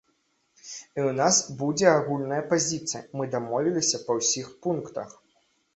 І ў нас будзе агульная пазіцыя, мы дамовіліся па ўсіх пунктах.